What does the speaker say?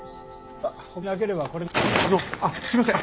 あのあっすいません